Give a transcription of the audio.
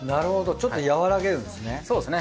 ちょっと和らげるんですね。